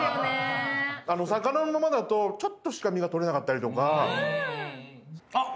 魚のままだとちょっとしか身が取れなかったりとか。